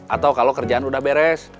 atau kalau kerjaan sudah beres